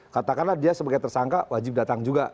katakanlah dia sebagai tersangka wajib datang juga